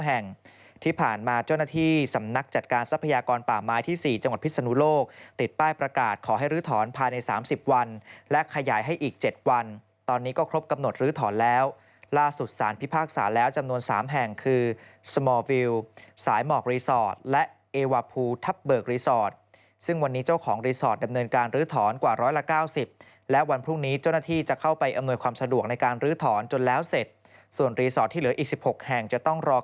๙แห่งที่ผ่านมาเจ้าหน้าที่สำนักจัดการทรัพยากรป่าไม้ที่๔จังหวัดพิศนุโลกติดป้ายประกาศขอให้ลื้อถอนผ่านใน๓๐วันและขยายให้อีก๗วันตอนนี้ก็ครบกำหนดลื้อถอนแล้วล่าสุดสารพิพากษาแล้วจำนวน๓แห่งคือสมอร์วิลสายหมอกรีสอร์ทและเอวาพูทับเบิกรีสอร์ทซึ่งวันนี้เจ้าของรีสอร์